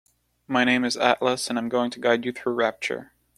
My name is Atlas and I'm going to guide you through Rapture.